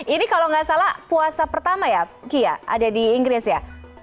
ini kalau nggak salah puasa pertama ya kia ada di inggris ya